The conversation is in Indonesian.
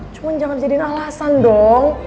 cuma jangan jadiin alasan dong